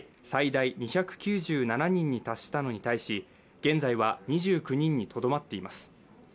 最大２９７人に達したのに対し現在は２９人にとどまっています